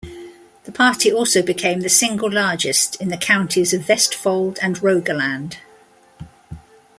The party also became the single largest in the counties of Vestfold and Rogaland.